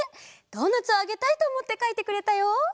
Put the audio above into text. ドーナツをあげたいとおもってかいてくれたよ！